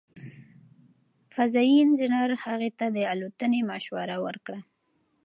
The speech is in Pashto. فضايي انجنیر هغې ته د الوتنې مشوره ورکړه.